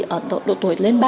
ở độ tuổi lên ba